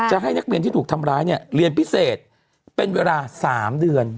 ให้นักเรียนที่ถูกทำร้ายเนี่ยเรียนพิเศษเป็นเวลา๓เดือน